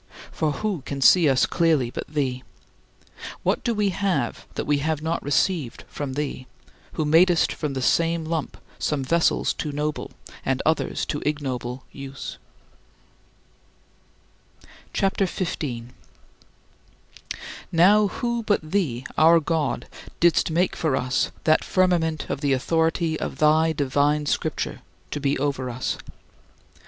For who can see us clearly but thee? What do we have that we have not received from thee, who madest from the same lump some vessels to noble, and others to ignoble, use? CHAPTER XV 16. Now who but thee, our God, didst make for us that firmament of the authority of thy divine Scripture to be over us?